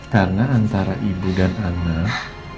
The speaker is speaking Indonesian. karena antara ibu dan anak